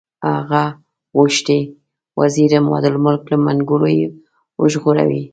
هغه غوښتي وزیر عمادالملک له منګولو یې وژغوري.